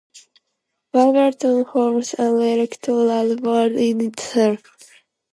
Wyberton forms an electoral ward in itself.